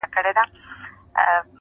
جمالیات چې د هنر له ښایست سره سروکار لري